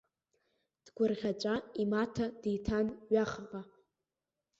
Дгәырӷьаҵәа имаҭа диҭан ҩахаҟа.